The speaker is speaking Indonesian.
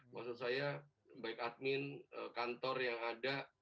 maksud saya baik admin kantor yang ada